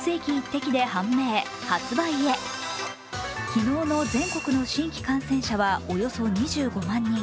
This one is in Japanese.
昨日の全国の新規感染者はおよそ２５万人。